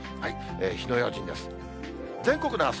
火の用心です。